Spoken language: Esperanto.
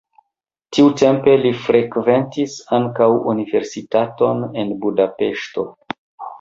Tiutempe li frekventis ankaŭ universitaton en Budapeŝto.